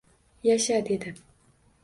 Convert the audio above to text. — Yasha! — dedi